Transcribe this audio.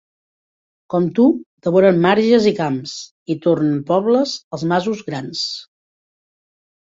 Com tu, devoren marges i camps, i tornen pobles els masos grans.